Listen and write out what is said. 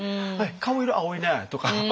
「顔色青いね！」とか。